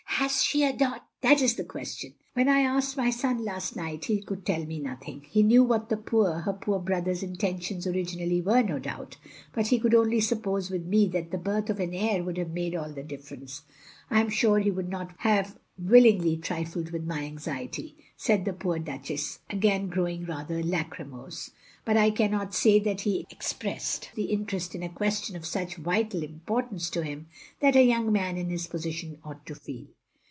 " Has she SL dotf that is the question. When I asked my son last night, he could tell me nothing. He knew what the poor — ^her poor brother's inten tions originally were, no doubt; but he could only suppose with me, that the birth of an heir would have mad6 all the difference. I am sure he would not have willingly trifled with my anxiety,'* said the poor Duchess, again growing rather lachrymose, " but I cannot say that he expressed the interest in a question of such vital importance to him, that a young man in his position ought to feel."